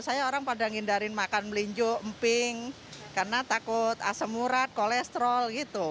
saya orang pada ngindarin makan melinjo emping karena takut asem murad kolesterol gitu